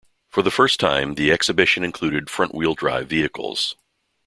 For the first time the exhibition included front-wheel drive vehicles.